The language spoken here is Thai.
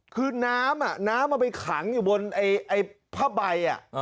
คือน้ำน้ำมันไปขังอยู่บนผ้าใบ